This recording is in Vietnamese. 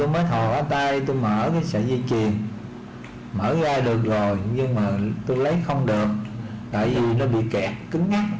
mở ra được rồi nhưng mà tôi lấy không được tại vì nó bị kẹt cứng ngắt